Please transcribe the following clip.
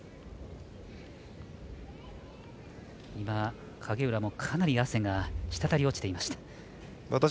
今、影浦もかなり汗が滴り落ちていました。